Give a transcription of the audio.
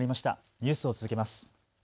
ニュースを続けます。